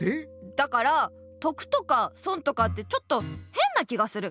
だから得とか損とかってちょっとヘンな気がする。